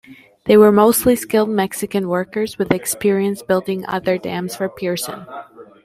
They were mostly skilled Mexican workers with experience building other dams for Pearson.